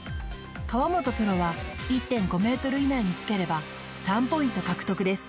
河本プロは１．５ｍ以内につければ３ポイント獲得です